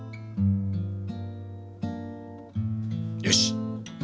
よし。